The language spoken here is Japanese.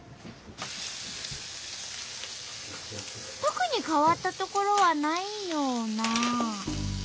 特に変わったところはないような。